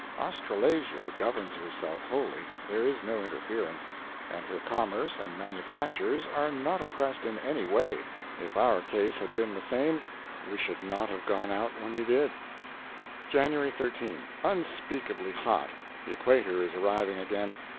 Australasia governs herself wholly there is no interference; and her commerce and manufactures are not oppressed in any way. If our case had been the same we should not have gone out when we did. January 13. Unspeakably hot. The equator is arriving again.